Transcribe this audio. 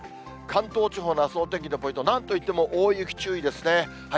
関東地方のあすのお天気のポイント、なんといっても大雪注意ですね。